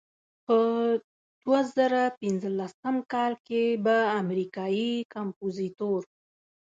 په دوه زره پنځلسم کال کې به امریکایي کمپوزیتور.